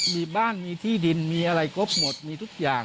มีบ้านมีที่ดินมีอะไรครบหมดมีทุกอย่าง